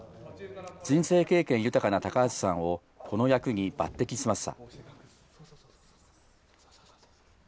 人生経験豊かな高橋さんを、この役に抜てきしました。